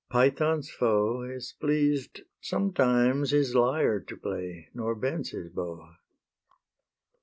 Python's foe Is pleased sometimes his lyre to play, Nor bends his bow.